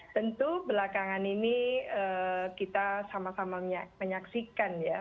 tentu belakangan ini kita sama sama menyaksikan ya